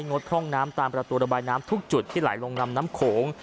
ดพร่องน้ำตามประตูระบายน้ำทุกจุดที่ไหลลงลำน้ำโขง